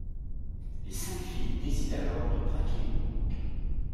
Les cinq filles décident alors de braquer une banque.